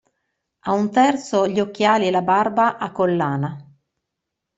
A un terzo gli occhiali e la barba a collana.